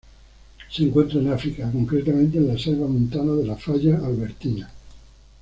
Se encuentra en África, concretamente en la Selva montana de la falla Albertina.